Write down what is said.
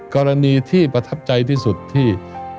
กรณีที่ประทับใจที่สุดที่